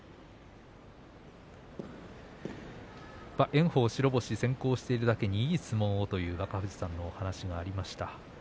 炎鵬が白星先行しているだけにいい相撲を、というお話がありましたね。